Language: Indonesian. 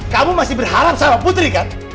kamu masih berharap sama putri kan